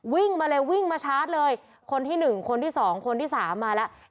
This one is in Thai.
วิ่งมาเลยวิ่งมาชาร์จเลยคนที่หนึ่งคนที่สองคนที่สามมาแล้ว